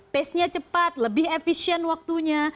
pace nya cepat lebih efisien waktunya